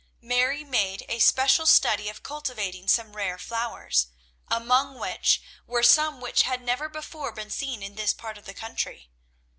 Mary made a special study of cultivating some rare flowers, among which were some which had never before been seen in this part of the country.